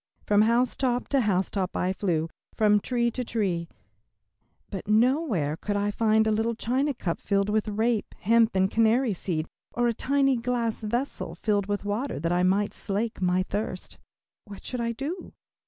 From housetop to housetop I flew, from tree to tree, but nowhere could I find a little china cup filled with rape, hemp, and canary seed, or a tiny glass vessel filled with water that I might slake my thirst. What should I do?